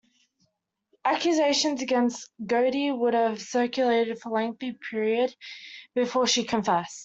Accusations against Gowdie would have circulated for a lengthy period before she confessed.